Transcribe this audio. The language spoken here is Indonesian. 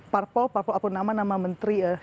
parpol parpol apa nama nama menteri